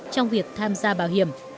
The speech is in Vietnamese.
trong việc tham gia bảo hiểm